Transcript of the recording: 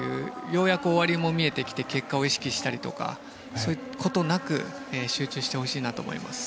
ようやく終わりも見えてきて結果を意識したりとかそういうことなく集中してほしいと思います。